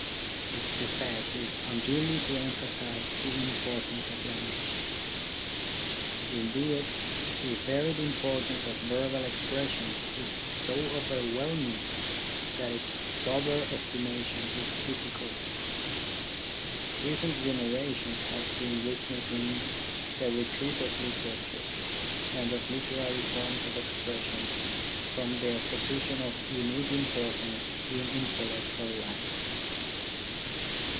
Its defect is unduly to emphasise the importance 40 THE ORGANISATION OF THOUGHT of language. Indeed the varied importance of verbal expression is so overwhelming that its sober estimation is difficult. Recent generations have been witnessing the retreat of literature, and of literary forms of expression, from their position of unique importance in intellectual life.